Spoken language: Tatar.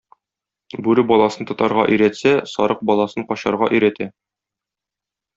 Бүре баласын тотарга өйрәтсә, сарык баласын качарга өйрәтә.